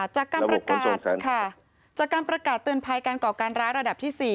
จากการประกาศตื่นภัยการก่อการร้ายระดับที่๔